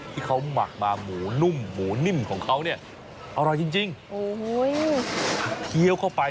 ที่เขาหมักมาหมูนุ่มหมูนิ่มของเขาเนี่ยอร่อยจริงจริงโอ้โหเคี้ยวเข้าไป